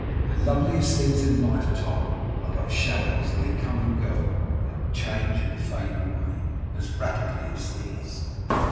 The loveliest things in life, Tom, are but shadows; and they come and go, and change and fade away, as rapidly as these!